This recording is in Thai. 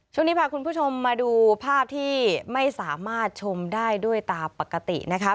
ช่วงนี้พาคุณผู้ชมมาดูภาพที่ไม่สามารถชมได้ด้วยตาปกตินะคะ